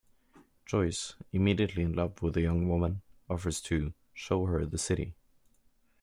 Joyce, immediately in love with the young woman, offers to 'show her the city'.